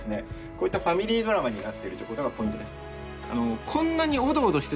こういったファミリードラマになってるということがポイントです。